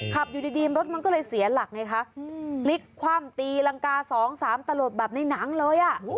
ขับอยู่ดีรถมันก็เลยเสียหลักไงคะพลิกคว่ำตีรังกา๒๓ตลบแบบในหนังเลยอ่ะ